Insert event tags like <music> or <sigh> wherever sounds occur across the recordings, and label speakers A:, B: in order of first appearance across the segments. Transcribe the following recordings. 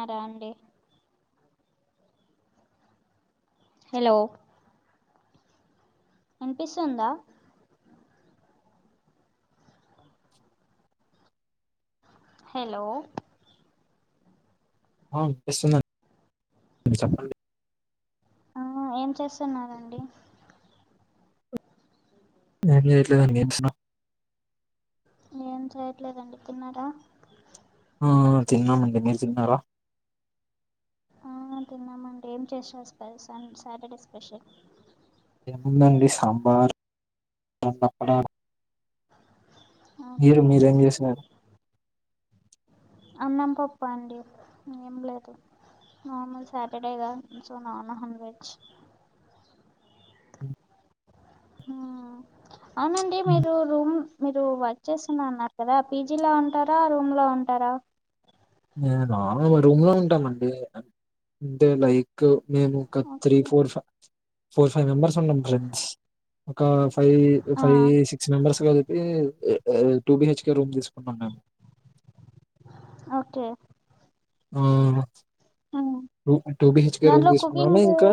A: ఆ రండి హలో వినిపిస్తుందా హలో
B: ఆ వినిపిస్తుంది అండి చెప్పండి
A: ఆ ఏం చేస్తున్నారండి
B: ఏం చేయట్లేదండి
A: ఏం చేయట్లేదండి తిన్నారా
B: ఆ తిన్నామండి మీరు తిన్నారా
A: ఆ తిన్నామండి ఏం చేస స్ప సాటర్డే స్పెషల్
B: ఏముందండి సాంబార్ అప్పడాలు మీరు
A: ఓకే
B: మీరేం చేసినారు
A: అన్నం పప్పు అండి ఏం లేదు నార్మల్ సటర్డే కదా సో నో నాన్ వెజ్ అవునండి
B: ఉమ్,
A: మీరు రూమ్ మీరు వర్క్ చేస్తున్న అన్నారు కదా పీజీ లో ఉంటారా రూమ్ లో ఉంటారా
B: రూమ్ లో ఉంటామండి అంటే లైక్ మేము ఒక త్రీ
A: ఓకే
B: ఫోర్ ఫ ఫోర్ ఫైవ్ మెంబర్స్ ఉన్నం ఫ్రెండ్స్ ఒక ఫైవ్
A: ఆ
B: ఫైవ్ సిక్స్ మెంబర్స్ కలిపి టూ బిహెచ్ రూమ్ తీస్ కున్నాం
A: ఓకే
B: ఆ
A: um,
B: two two BHK room
A: దాంట్లో
B: తీసుకున్నాము
A: కుకింగ్
B: ఇంకా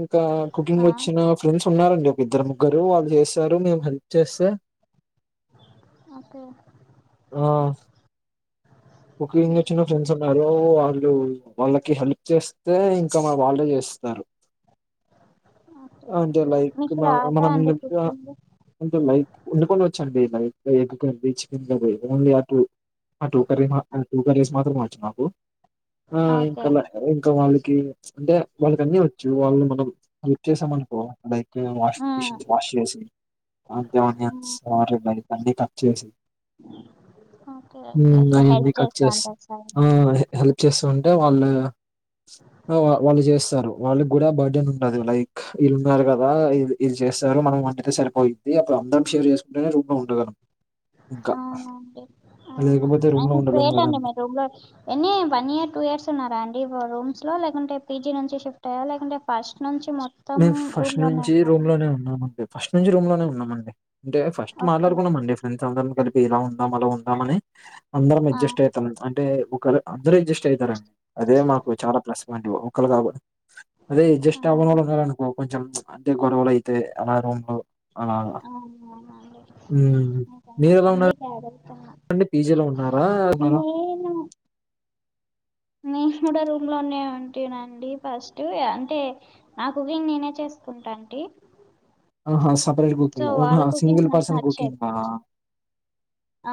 B: ఇంకా కుకింగ్
A: ఆ
B: వచ్చిన ఫ్రెండ్స్ ఉన్నారండి ఒక ఇద్దరు ముగ్గురు వాళ్ళు చేస్తారు మేము హెల్ప్ చేస్తే
A: అబ్బో
B: ఆ కుకింగ్ వచ్చిన ఫ్రెండ్స్ న్నారు వాళ్ళు వాళ్ళకి హెల్ప్ చేస్తే ఇంకా వాళ్ళే చేస్తారు
A: ఓకే
B: అంటే
A: ఓకే
B: లైక్
A: మీకు
B: మా-
A: రాదా
B: మనం
A: అండి
B: నిప్-
A: కుకింగ్
B: అంటే లైక్ వండుకో వచ్చండి లై egg curry chicken curry only ఆ టూ ఆ టూ కర్రీ మా టూ కర్రీస్ మాత్రం వచ్చు నాకు ఆ
A: ఓకే
B: ఇంకా ఇంకా వాళ్ళకి అంటే వాళ్ళకి అన్ని వచ్చు వాళ్ళు మనం హెల్ప్ చేసామనుకో like washing
A: um
B: machines wash చేసి అన్ని ఆనియన్స్
A: ఉమ్
B: అన్నీ కట్ చేసి
A: ఓకే ఓకే అట్లా
B: అవన్నీ
A: హెల్ప్
B: కట్
A: చేస్త
B: ఆ హెల్ప్ చేస్త ఉంటే వాళ్ళు వాళ్ళు చేస్తారు వాళ్ళకి కూడా బర్త్డేన్ ఉండది లైక్ వీళ్ళు ఉన్నారు కదా ఇది చేస్తారు మనం వంటతే సరిపోయింది అప్పుడు అందరం షేర్ చేసుకుంటేనే రూపం ఉంటది ఆడ ఇంకా
A: అవునండి
B: లేకపోతే రూమ్లో ఉండలేము
A: తన్యమే రూమ్లో ఎన్ని వన్ ఇయర్ టూ ఇయర్స్ ఉన్నారా అండి రూమ్స్ లో లేకుంటే పీజీ నుంచి షిఫ్ట్ అయ్యారా లేకంటే ఫస్ట్ నుంచి మొత్తం రూమ్ లోనే ఉన్నారు
B: లోనే ఉన్నామండి ఫస్ట్ నుంచి రూమ్ లోనే ఉన్నామండి అంటే ఫస్ట్
A: ఓకే
B: మాట్లాడుకున్నామండి ఫ్రెండ్స్ అందరం కలిపి ఇలా ఉందాం అలా ఉందాం అని అందరం
A: ఆ
B: అడ్జస్ట్ అవుతాం అంటే ఒకరు అందరు అడ్జస్ట్ అవుతారండి అదే మాకు చాలా ప్లస్ పాయింట్ ఒకరు కాబ అదే
A: ఆ
B: అడ్జస్ట్ అవలే కొంచెం అంటే గొడవలు అయితయి అలా రూమ్ లో
A: అవున
B: హ్మ్.
A: అదే జాగ్రతన్న
B: అంటే పీజీలో ఉన్నారా నాలా
A: పీజీ లోనే నేను కూడా రూమ్ లోనే ఉంటేనండి ఫస్ట్ అంటే నాకుని నేనే చేసుకుంటా అంటి
B: ఆహా సపరేట్ కుకింగ్న్
A: వాళ్ళ కుకింగ్
B: సింగల్
A: నాకు
B: పర్సన్
A: నచ్చేది
B: కుకింగ్ ఆ
A: ఆ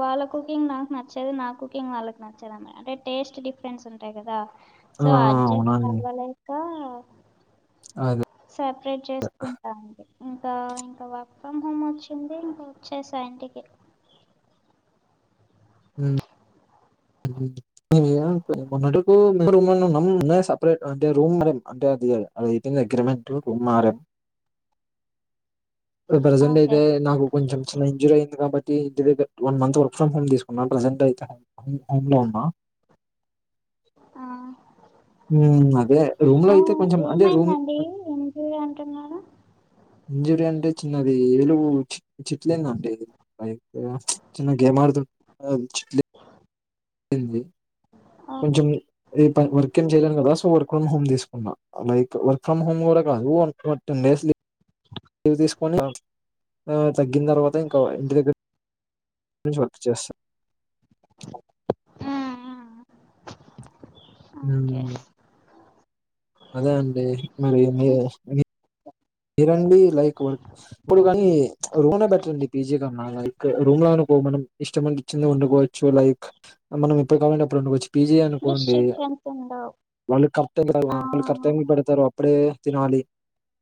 A: వాళ్ళ కుకింగ్ నాకు నచ్చదు నా కుకింగ్ వాళ్ళకి నచ్చదు అన్నమాట అంటే టేస్ట్ డిఫ డిఫరెంట్ ఉంటాయి కదా
B: ఆ
A: సో అడ్జస్ట్
B: అవునండి
A: కవలేక
B: అదే
A: సపరేట్ చేసుకుంటాను ఇంకా ఇంకా వర్క్ ఫ్రమ్ హోమ్ వచ్చింది ఇంకా వచ్చేసా ఇంటికి
B: హ్మ్మ్ హ్మ్మ్ మాకు సపరేట్ అంటే రూమ్ అంటే అది అదయితే అగ్రిమెంట్ మారే ప్రజెంట్
A: ఓకే
B: అయితే నాకు కొంచెం చిన్న ఇంజురీ అయింది కాబట్టి ఇంటి దగ్గ వన్ంత్ వర్క్ ఫ్రమ్ హోమ్ తీసుకున్నా ప్రెజెంట్ అయితే పనిలో ఉన్నా
A: ఆ
B: హ్మ్. అదే రూమ్ లో
A: ఆ
B: అయితే కొంచెం అంటే రూమ్
A: ఏమైందండి ఇంజురీ అంటున్నారూ
B: ఇంజురీ అంటే చిన్నది ఏలు చిట్లేందండి బైక్ చిన్న గేమ్ ఆదు చిట్లిందండి
A: ఆ
B: ది కొంచెం రే వర్క్ ఏం చేయలేను కదా సో వర్క్ ఫ్రమ్ హోమ్ తీసుకున్నా లైక్ వర్క్ ఫ్రమ్ హోమ్ కూడా కాదు టెన్ డేస్ లీవ్ తీసుకని ఆ తగ్గిన తర్వాత ఇంకా ఇంటి దగ్గర నుంచి వర్క్ చేస్తా
A: హ్మ్మ్ ఆ ఆ
B: హమ్ అదే అండి మరి మీరూ ఇదండీ లైక్ వర్క్ ఇప్పుడు కానీ రూమ్ బెటర్ అండి పీజీ కన్నా రూమ్ లో అనుకో మనం ఇష్టము వచ్చింది వండుకోవచ్చు సో లైక్ మనం ఏప్పుడు కావాలంటే అప్పుడు వండుకోవచ్చు పీజి అనుకోండి
A: రిస్ట్రిక్షన్స్ ఉండవు
B: వాళ్ళు కరెక్ట్
A: ఆ
B: వాళ్ళు కరెక్ట్ టైమ్ కి పెడతారు అప్పుడే తినాలి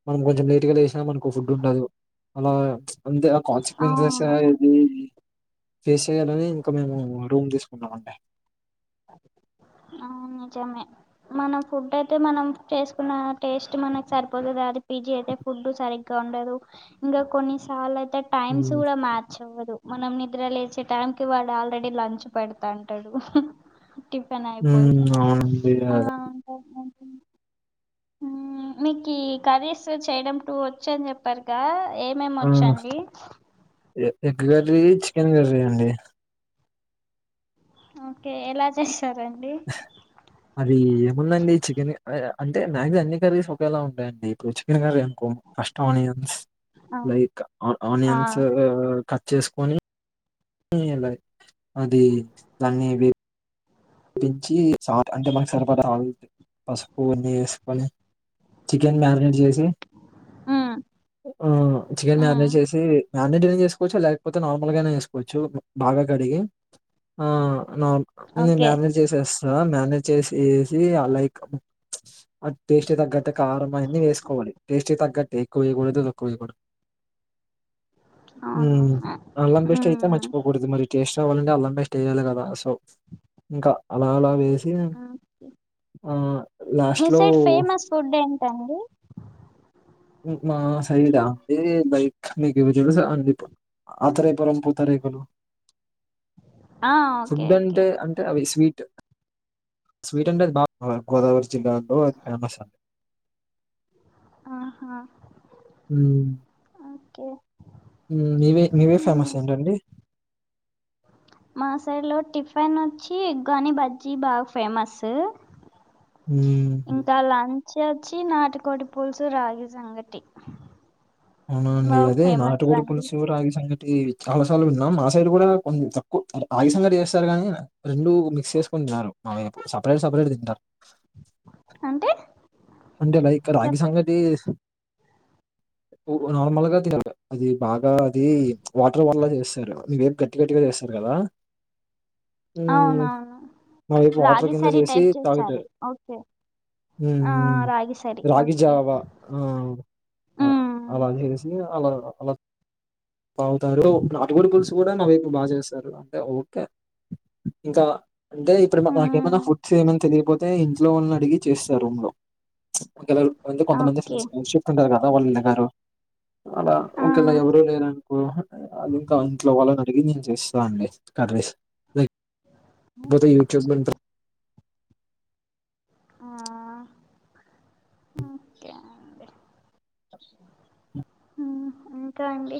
B: మనం కొంచెం లేట్ గా లేసినా మనూకో ఫుడ్ ఉండదు అలా అంతే ఆ కాన్సిక్వెన్సెస్
A: అవును
B: ఇది ఫేస్ చేయాలని ఇంకా మేము రూమ్ తీసుకున్నామండి.
A: ఆ నిజమే. మన ఫుడ్ అయితే మనం చేసుకున్న టేస్ట్ మనకి సరిపోతది అది. పిజీ అయితే ఫుడ్ సరిగ్గా ఉండదు ఇంగా కొన్నిసార్లు అయితే టైమ్స్
B: ఉమ్
A: కూడా మ్యాచ్ అవ్వదు. మనం నిద్ర లేచే టైం కి వాడు ఆల్రెడీ లంచ్ పెడతాంటడు. టిఫన్ అయిపోయి
B: అవునండి అదే
A: అలా ఉంటది <inaudible> మీకి కర్రీస్ చేయడం టూ వచ్చని చెప్పారుగా ఏ మేం
B: ఆ
A: వచ్చండి.
B: ఎగ్ కర్రీ, చికెన్ కర్రీ అండి.
A: ఓకే ఎలా చేస్తారండి?
B: అది ఏముందండి చికెన్ అంటే మ్యాక్స్ అన్ని కర్రీస్ ఒకేలా ఉంటాయండి ఇప్పుడు చికెన్ కర్రీ ఉం నుకో ఫస్ట్ ఆనియన్స్
A: ఆ
B: లైక్
A: ఆ
B: ఆనియన్స్ కట్ చేసుకని ఇలా అది దాన్ని పిచ్చి సాల్ట్ అంటే మనకు సరిపడా సాల్ట్ ఆ పసుపు అన్నీ ఏసుకొని చికెన్ మ్యారినేట్ చేసి
A: ఉమ్
B: ఆ చికెన్
A: ఉమ్
B: మ్యారినేట్ చేసి మ్యారినేట్ అయినా చేసుకోవచ్చు లేకపోతే నార్మల్గానే చేసుకోవచ్చు బాగా కడిగి నార్ నేను
A: ఓకే
B: మ్యారినేట్ చేసేస్తా మ్యారినేట్ చేసేసి ఆ లైక్ అ టేస్టుకు తగ్గట్టు కారం అయన్ని వేసుకోవాలి టేస్ట్ కు తగ్గట్టే ఎక్కువ వేయకూడదు, తక్కువేయకూడదు.
A: అవునవును
B: అల్లం పేస్ట్ అయితే
A: మ్మ్
B: మర్చిపోకూడదు మరి. టేస్ట్ రావాలంటే అల్లం పేస్ట్ ఎయ్యాలె కదా సో ఇంకా అలా అలా వేసి ఆ లాస్ట్లో
A: తండ్రి
B: మా సైడా అండి లైక్ మీకు ఇవి తెలుసా అండి పు అత్రేయపురం పూతరేకులు
A: ఆ ఓకే
B: ఫుడ్
A: ఓకే
B: అంటే అంటే అవి స్వీట్ స్వీట్ అంటే అది బాగా గోదావరి జిల్లాలో అది ఫేమస్ అండి.
A: ఆహా
B: హ్
A: ఓకే
B: మీవే మీవే
A: మ్మ్
B: ఫేమస్ ఏంటండి.
A: మా సైడ్లో టిఫన్ వచ్చి ఉగ్గాని బజ్జీ బాగా ఫేమస్.
B: హుహు.
A: ఇంకా లంచ్ వచ్చి నాటికోడి పులుసు, రాగి సంగటి.
B: అవునండి
A: బాగా
B: అదే
A: ఫేమస్
B: నాటుకోడి
A: అండి
B: పులుసు, రాగి సంగ టి చాలా సార్లు విన్నాం. మా సైడ్ కూడా కొంత తక్కువ రాగిసంగటి చేస్తరు కాని రెండు మిక్స్ చేసుకుని తినరు మావైపు సపరేట్ సపరేట్ తింటరు.
A: అంటే?
B: అంటే లైక్ రాగి
A: సపరేట్
B: సంగటి నార్మల్గా తి <inaudible> అది బాగా అది వాటర్ వాటర్లా చేస్తరు, మీ వైపు గట్ గట్టిగట్టిగా చేస్తారు కదా.
A: అవునవును
B: మా వైపు వాటర్
A: రాగి
B: కింద
A: సారి
B: చేసి
A: టైప్
B: తాగుతరు.
A: చేశారు ఓకే
B: హ్
A: ఆ రాగి సారి
B: రాగి
A: ఓకే
B: జావా ఆ అలా
A: మ్మ్
B: చేసి అలా అలా తాగుతారు, నాటుకోడి పులుసు కూడా మా వైపు బాచేస్తారు అంటే ఓకే. ఇంకా అంటే ఇప్పుడు నాక్ నాకేమన్నా
A: మ్మ్
B: ఫుడ్స్ ఏమైనా తెలియపోతే ఇంట్లో వాళ్ళని అడిగి చేస్తా రూమ్‌లో ఒకేలా <inaudible> కొంతమంది
A: ఓకే
B: ఫ్రెండ్స్ నైట్ షిఫ్ట్ ఉంటది కదా వాళ్ళు లెగరు అలా
A: ఆ
B: ఒకెళ ఎవరూ లేరనుకో అది ఇంకా ఇంట్లో వాళ్ళని అడిగి నేను చేస్తా అండి కర్రీస్ లై <inaudible> పోతే యూట్యూబ్ మిం
A: ఆ ఓకే అండి ఉమ్మ్ ఇంకా అండి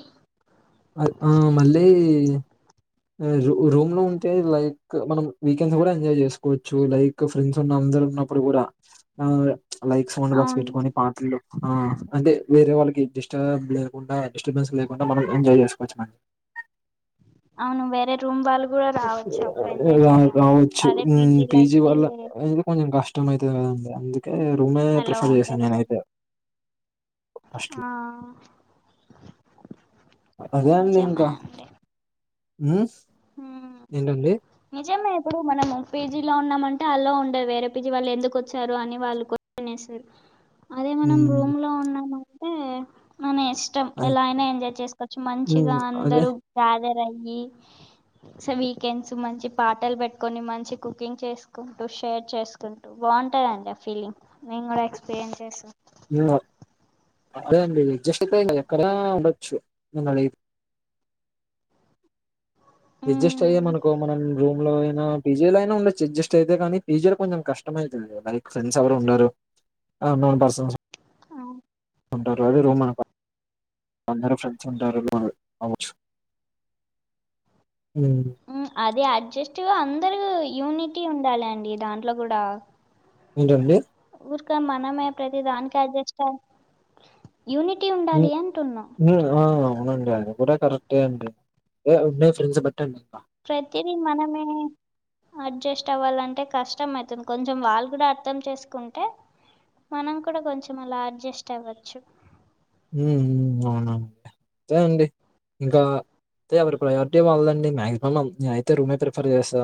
B: అది ఆ మళ్ళీ రూ రూమ్‌లో ఉంటే లైక్ మనం వీకెండ్స్ కూడా ఎంజాయ్ చేసుకోవచ్చు లై క్ ఫ్రెండ్స్ ఉన్న అందరు ఉన్నప్పుడు కూడా ఆ లైక్ సౌండ్ బాక్స్
A: అవును
B: పెట్టుకొని పాటలు ఆ అంటే వేరే వాళ్ళకి డిస్టబ్ లేకుండా డిస్టర్బెన్స్ లేకుండా మనం ఎంజాయ్ చేసుకోవచ్చునం
A: అవును వేరే రూమ్ వాళ్ళు కూడా రావచ్చు అప్పుడు ఎంజాయ్
B: రా
A: చేయడానికి
B: రావచ్చు
A: అదే
B: ఉమ్మ్
A: పీజీలో
B: పీజీ
A: అయితే
B: వల్ల అదైతే కొంచెం కష్టం అయితది కదండి అందుకే రూమే
A: అలా
B: ప్రిఫర్ చేశా
A: ఉండదు కదా
B: నేనైతే ఫస్ట్
A: ఆ
B: అదే అండి
A: నిజమే
B: ఇంకా
A: అండి
B: ఉమ్
A: ఉమ్,
B: ఏంటండి
A: నిజమే ఇప్పుడు మనము పేజీలో ఉన్నామంటే ఆలో ఉండదు వేరే పేజీ వాళ్ళు ఎందుకు వచ్చారు అని వాళ్ళు కొ షన్ ఏస్తారు అదే మనం
B: ఉమ్మ్
A: రూమ్ లో ఉన్నామంటే మన ఇష్టం
B: అదే
A: ఎలా అయినా ఎంజాయ్ చేసుకోవచ్చు
B: ఉమ్,
A: మంచిగా
B: అదే
A: అందరూ గ్యాదర్ అయ్యి సో వీకెండ్స్ మంచి పాటలు పెట్టుకొని మంచి కుకింగ్ చేసుకుంటూ షేర్ చేసుకుంటూ బాగుంటాదండి ఆ ఫీలింగ్ నేను కూడా ఎక్స్పీరియన్స్ చేశా
B: ఇంగ అదే అండి <unintelligible> ఎక్కడా ఉండొచ్చు నన్నడిగి యడ్జస్ట్ అయ్యం అనుకో మనం రూమ్‌లో అయినా పీజీలో అయినా ఉండొచ్చు అడ్జస్ట్ అయితే కానీ పీజీలో కొంచెం కష్టం అయితది కదా ఫ్రెండ్స్ ఎవరు ఉండరు ఆనోన్ పర్సన్స్
A: అవు
B: ఉంటారు అదే రూమ్ అనుకో అందరు ఫ్రెండ్స్ ఉంటారు గా అవచ్చు ఉమ్మ్
A: ఉమ్మ్ అది అడ్జస్ట్ అందరు యూనిటీ ఉండాలి అండి దాంట్లో కూడా
B: ఏంటండి
A: ఊరికే మనమే ప్రతి దానికి అడ్జస్ట్ అయ్ యూనిటీ ఉండాలి అంటున్నా
B: మ్మ్ ఆ అవునండి అది కూడా కరెక్టే అండి ఏ ఉండే ఫ్రెండ్స్ బట్టి అండి ఇంక
A: ప్రతిదీ మనమే అడ్జస్ట్ అవ్వాలంటే కష్టం అయితుంది కొంచెం వాళ్ళు కూడా అర్థం చేసుకుంటే మనం కూడా కొంచెం అలా అడ్జస్ట్ అవ్వచ్చు
B: ఉమ్మ్ ఉమ్మ్ అవునండి తే అండి ఇంకా తే ఎవరి ప్రయారిటీ వాళ్లదండి మాక్సిమమం నేనయితే రూమే ప్రిఫర్ చేస్తా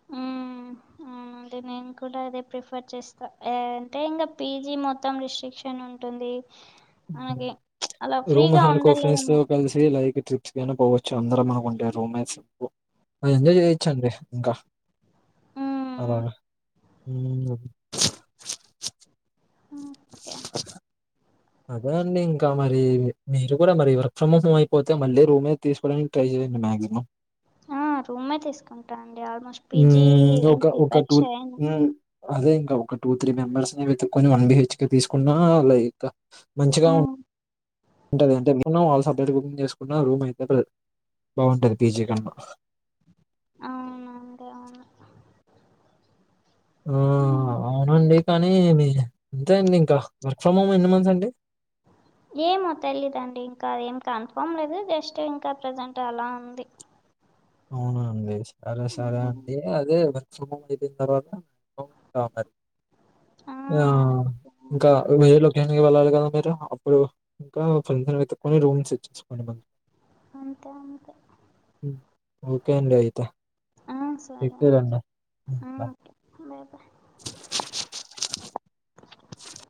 B: <inaudible>
A: ఆ అంటే నేను కూడా అదే ప్రిఫర్ చేస్తా య అంటే ఇంకా పీజీ మొత్తం రిస్ట్రిక్షన్ ఉంటుంది మనకి అలా
B: రూమ్
A: ఫ్రీగా
B: అనుకో ఫ్రెండ్స్‌తో
A: ఉండలేము
B: కలిసి లైక్ ట్రిప్ కి అయినా పోవచ్చు అందరం అనుకుంటే రూమ్మేట్స్ బా ఎంజాయ్ చేయొచ్చండి ఇంకా
A: హ్మ్
B: అలా ఉమ్మ్
A: ఓకే
B: అదే అండి ఇంకా మరి మీరు కూడా మరి వర్క్ ఫ్రమ్ హోమ్ అయిపోతే మళ్ళీ రూమే. తీసుకోవడానికి ట్రై చేయండి మ్యాజిమమ్.
A: ఆ రూమే తీసుకుంటాండి ఆల్మోస్ట్ పీజీ
B: హ్మ్.
A: ఏం
B: ఒక ఒక
A: ప్రిపేర్ చేయను.
B: హ్మ్. అదే ఇంకా ఒక టూ త్రీ మెంబర్స్ ని వెతుకొని వన్ బిహెచ్ కి తీసుకున్నా లైక్. మంచిగా ఉ.
A: హ్మ్
B: ఉంటది అంటే మం వాళ్ళు సపరేట్ బుకింగ్ చేసుకున్న రూమ్ అయితే బాగుంటది పీజీ నాకు.
A: అవును అండి అవును.
B: ఆ
A: హ్మ్
B: అవునండి కానీ మీ అంతే అండి ఇంకా వర్క్ ఫ్రమ్ హోమ్ ఎన్ని మంత్స్ అండి. <inaudible>
A: ఏమో తెలియదుండి ఇంకా అద ఏం కన్ఫామ్ లేదు జస్ట్ ఇంకా ప్రజెంట్ అలా ఉంది.
B: అవునండి సరే సరే
A: హ్మ్
B: అండి అదే మెక్సిమం అయిపోయిన తర్వాత పోకుండా ఉండాలి. ఆ
A: ఓకే.
B: ఇంకా ఇరవై వేల్. ఇనికి వెళ్ళాలి కదా మీరు అప్పుడు ఇంకా ఫ్రెంస్ వెతుకొని రూమ్స్చ్చేసుకోండి మరి.
A: అంతే అంకా.
B: హ్మ్. ఓకే అండి అయితే.
A: ఆ.
B: ఇకు రన్నా.
A: మేబా.
B: <unintelligible> <inaudible>